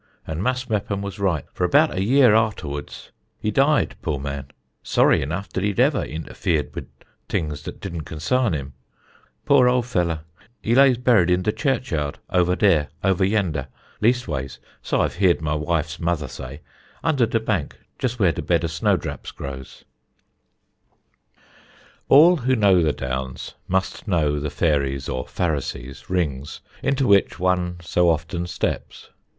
And Mas' Meppom was right, for about a year ahtawuds he died, poor man! sorry enough dat he'd ever intafēred wud things dat didn't consarn him. Poor ol' feller, he lays buried in de church aird over yender leastways so I've heerd my wife's mother say, under de bank jest where de bed of snow draps grows." [Sidenote: FAIRY RINGS AND DEW PONDS] All who know the Downs must know the fairies' or Pharisees' rings, into which one so often steps.